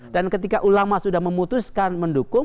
dan ketika ulama sudah memutuskan mendukung